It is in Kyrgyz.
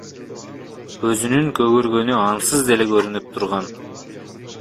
Көзүнүн көгөргөнү ансыз деле көрүнүп турган.